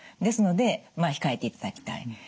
ですのでまあ控えていただきたい。